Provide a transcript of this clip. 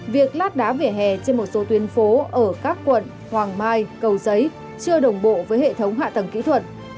việc lát đá vỉa hè trên một số tuyến phố ở các quận hoàng mai cầu giấy chưa đồng bộ với hệ thống hạ tầng kỹ thuật